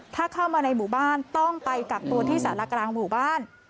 ถ้าเข้ามาในหมู่บ้านต้องไปกักตัวที่สารกลางหมู่บ้าน